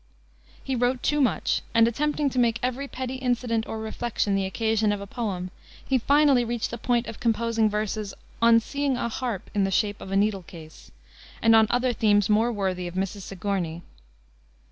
He wrote too much, and, attempting to make every petty incident or reflection the occasion of a poem, he finally reached the point of composing verses On Seeing a Harp in the shape of a Needle Case, and on other themes more worthy of Mrs. Sigourney.